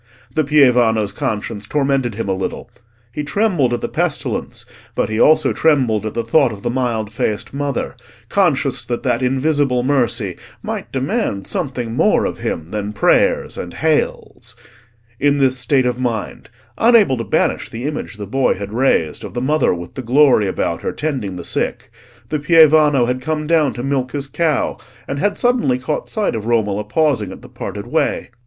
The pievano's conscience tormented him a little: he trembled at the pestilence, but he also trembled at the thought of the mild faced Mother, conscious that that Invisible Mercy might demand something more of him than prayers and "Hails." In this state of mind—unable to banish the image the boy had raised of the Mother with the glory about her tending the sick—the pievano had come down to milk his cow, and had suddenly caught sight of Romola pausing at the parted way.